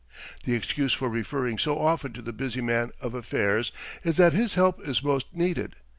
The excuse for referring so often to the busy man of affairs is that his help is most needed.